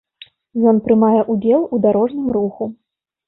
Ён прымае ўдзел у дарожным руху.